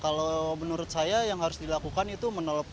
kalau menurut saya yang harus dilakukan itu menolak